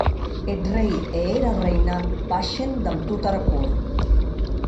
Eth rei e era reina baishen damb tota era cort.